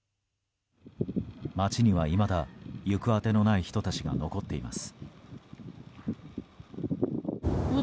街にはいまだ、行く当てのない人たちが残っています。